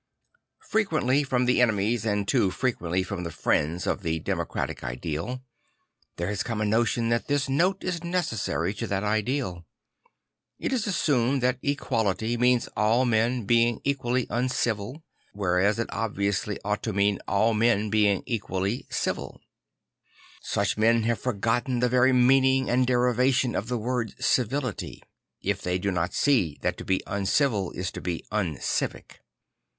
Frequently from the enemies and too frequently from the friends of the democratic ideal, there has come a notion that this note is necessary to that ideal. It is assumed that equality means all men being equally uncivil, whereas it obviously ought to mean all men being equally civil Such people have forgotten the very meaning and derivation of the word civility, if they do not see that to be uncivil is to be uncivic.